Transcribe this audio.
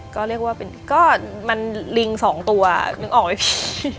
ก็เรียกว่าเป็นก็มันลิงสองตัวนึกออกไหมพี่